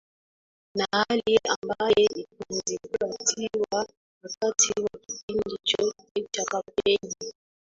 na hali ambae itazigatiwa wakati wa kipindi chote cha kampeni